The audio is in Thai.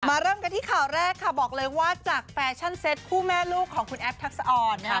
เริ่มกันที่ข่าวแรกค่ะบอกเลยว่าจากแฟชั่นเซ็ตคู่แม่ลูกของคุณแอฟทักษะอ่อนนะคะ